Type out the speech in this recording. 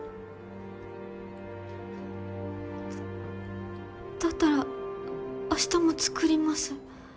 だだったらあしたも作ります。